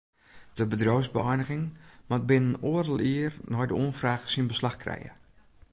De bedriuwsbeëiniging moat binnen oardel jier nei de oanfraach syn beslach krije.